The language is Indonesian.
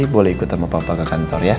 boleh ikut sama papa ke kantor ya